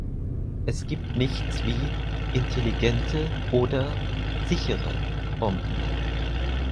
Es gibt nichts wie "intelligente" oder "sichere" Bomben.